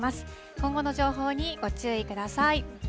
今後の情報に、ご注意ください。